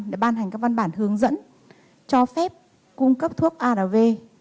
để ban hành các văn bản hướng dẫn cho phép cung cấp thuốc arv